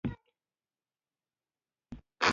د هسپانویانو په لاس د ټاپوګانو نیول کېدو وړاندوېنې کېدې.